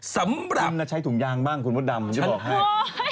สำหรับคุณน่ะใช้ถุงยางบ้างคุณมดดำจะบอกให้ฉันคว้อย